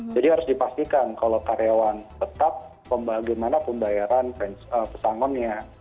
jadi harus dipastikan kalau karyawan tetap bagaimana pembayaran pesangonnya